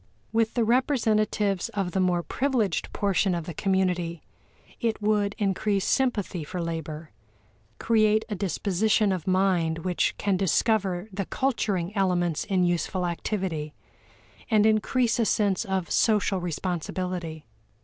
With the representatives of the more privileged portion of the community, it would increase sympathy for labor, create a disposition of mind which can discover the culturing elements in useful activity, and increase a sense of social responsibility.